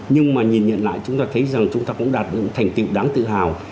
nhưng mà nhìn nhận lại chúng ta thấy rằng chúng ta cũng đạt được những thành tựu đáng tự hào